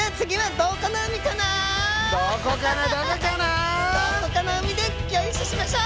どこかの海でギョ一緒しましょう！